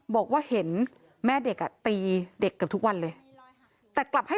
บอกว่าเห็นแม่เด็กอ่ะตีเด็กเกือบทุกวันเลยแต่กลับให้